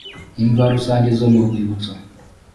imva rusange zo mu rwibutso